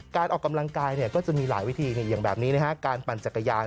การออกกำลังกายก็จะมีหลายวิธีอย่างแบบนี้การปั่นจักรยาน